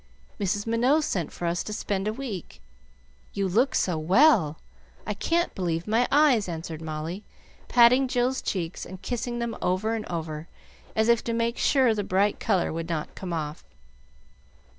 "Mrs. Minot sent for us to spend a week. You look so well, I can't believe my eyes!" answered Molly, patting Jill's cheeks and kissing them over and over, as if to make sure the bright color would not come off.